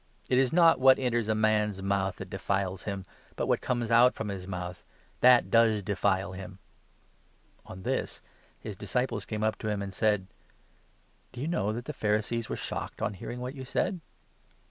It is not what enters a man's mouth that ' defiles ' him, but what comes out from his mouth — that does defile him !" On this his disciples came up to him, and said :" Do you know that the Pharisees were shocked on hearing what you said